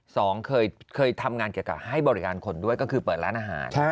สองเคยทำงานเกี่ยวกับให้บริการคนด้วยก็คือเปิดร้านอาหาร